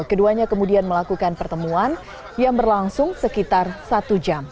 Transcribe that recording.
keduanya kemudian melakukan pertemuan yang berlangsung sekitar satu jam